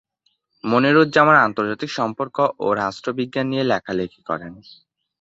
মনিরুজ্জামান আন্তর্জাতিক সম্পর্ক ও রাষ্ট্রবিজ্ঞান নিয়ে লেখালেখি করেন।